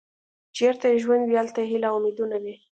چیرته چې ژوند وي هلته هیلې او امیدونه وي.